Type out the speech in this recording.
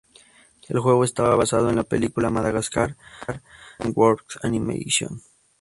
El juego está basado en la película Madagascar de Dreamworks Animation.